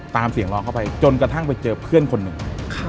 ตามเสียงร้องเข้าไปจนกระทั่งไปเจอเพื่อนคนหนึ่ง